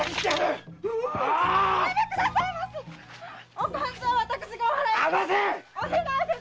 お勘定は私がお払いいたします。